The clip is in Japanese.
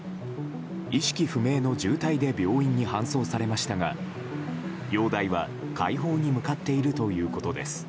意識不明の重体で病院に搬送されましたが容体は快方に向かっているということです。